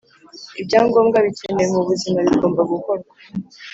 Ibyangombwa bikenewe mu buzima bigomba gukorwa